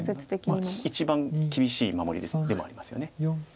まあ一番厳しい守りでもありますよね。